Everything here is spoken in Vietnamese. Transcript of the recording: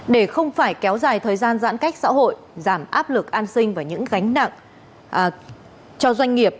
để không phải kéo dài thời gian giãn cách xã hội giảm áp lực an sinh và những gánh nặng cho doanh nghiệp